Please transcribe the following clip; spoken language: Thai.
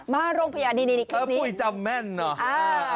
มาโรงพยาบาลนี่ครั้งนี้เออพุยจำแม่นหรออ่า